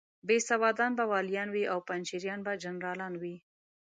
بېسوادان به والیان وي او پنجشیریان جنرالان وي.